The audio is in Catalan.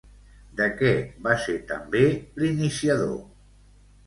De què va ser també l'iniciador?